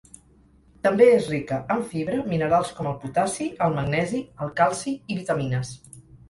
També és rica en fibra, minerals com el potassi, el magnesi, el calci i vitamines.